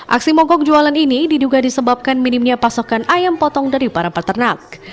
aksi mogok jualan ini diduga disebabkan minimnya pasokan ayam potong dari para peternak